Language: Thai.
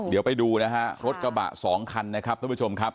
เดี๋ยวไปดูนะฮะรถกระบะสองคันนะครับทุกผู้ชมครับ